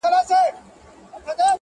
نور دي دسترگو په كتاب كي